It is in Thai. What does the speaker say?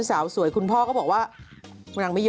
นางน่านางสาว